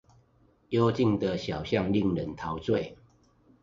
幽靜的小巷令人陶醉